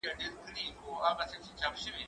هغه څوک چي سبزیجات جمع کوي قوي وي!.